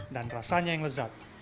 dan rasanya yang lezat